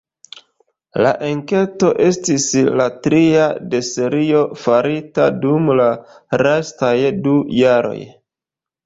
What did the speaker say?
La enketo estis la tria de serio farita dum la lastaj du jaroj.